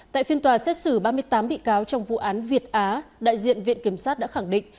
tại phiên tòa xét xử ba mươi tám bị cáo trong vụ án việt á đại diện viện kiểm sát đã khẳng định